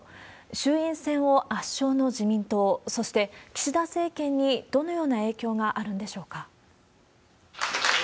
衆院選を圧勝の自民党、そして、岸田政権にどのような影響があるんでしょうか。